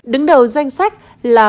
đứng đầu danh sách là